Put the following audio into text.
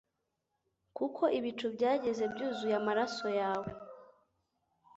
kuko ibicu byageze byuzuye amaso yawe